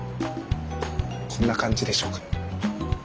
こんな感じでしょうか？